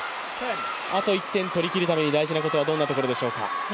あと１点取りきるために大事なところどんなところでしょうか。